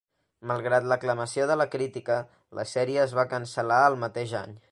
Malgrat l'aclamació de la crítica, la sèrie es va cancel·lar el mateix any.